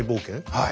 はい。